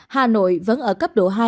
hà nội vẫn ở cấp độ hai